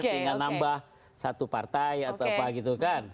tinggal nambah satu partai atau apa gitu kan